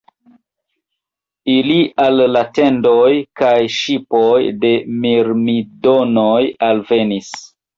Ili al la tendoj kaj ŝipoj de Mirmidonoj alvenis.